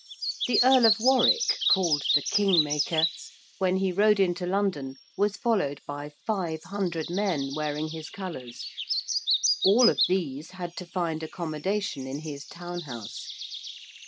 The Earl of Warwick, called the King Maker, when he rode into London was followed by five hundred men, wearing his colours: all of these had to find accommodation in his town house.